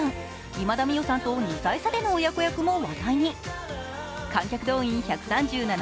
今田美桜さんと２歳差での親子役も話題に。